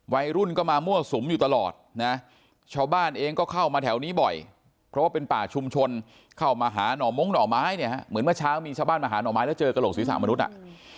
วัยรุ่นก็มามั่วสุมอยู่ตลอดนะชาวบ้านเองก็เข้ามาแถวนี้บ่อยเพราะว่าเป็นป่าชุมชนเข้ามาหาหน่อมงหน่อไม้เนี่ยฮะเหมือนเมื่อเช้ามีชาวบ้านมาหาหน่อไม้แล้วเจอกระโหลกศีรษะมนุษย์อ่ะ